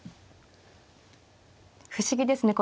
不思議ですね